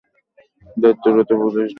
দায়িত্বরত পুলিশদের ছুটি দিয়ে দাও।